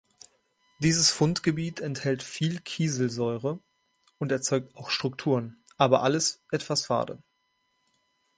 Dieses Fundgebiet enthält viel Kieselsäure, und erzeugt auch Strukturen, aber alles etwas fade.